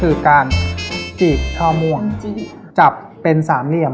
คือการจีบท่อม่วงจับเป็นสามเหลี่ยม